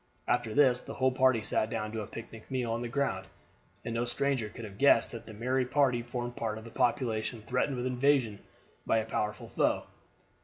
After this the whole party sat down to a picnic meal on the ground, and no stranger could have guessed that the merry party formed part of a population threatened with invasion by a powerful foe.